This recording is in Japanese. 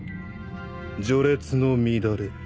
序列の乱れ。